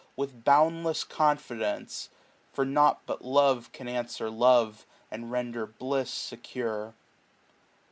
With boundless confidence \ For nought but love 1 1 a i Can answer lo^e, and render bliss secure.